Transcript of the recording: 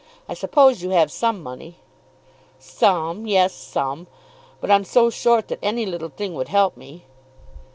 I suppose you have some money?" "Some; yes, some. But I'm so short that any little thing would help me."